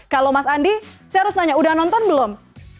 kalau mas andi saya harus tanya sudah nonton belum